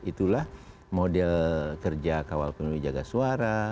itulah model kerja kawal penuh jaga suara